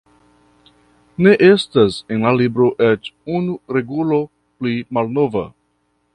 "Ne estas en la libro eĉ unu regulo pli malnova!"